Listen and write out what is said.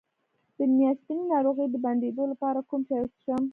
د میاشتنۍ ناروغۍ د بندیدو لپاره کوم چای وڅښم؟